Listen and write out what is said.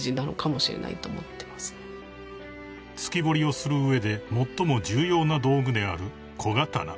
［突き彫りをする上で最も重要な道具である小刀］